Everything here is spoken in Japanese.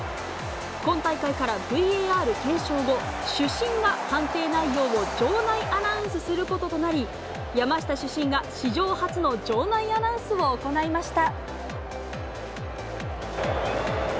今大会からＶＡＲ検証後、主審が判定内容を場内アナウンスすることとなり、山下主審が史上初の場内アナウンスを行いました。